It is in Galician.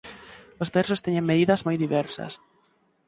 Os versos teñen medidas moi diversas.